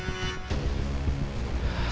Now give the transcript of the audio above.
dia pasti mau ngaduk ke aldebaran